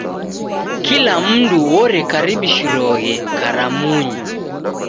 Kila mndu orekaribishiroghe karamunyi.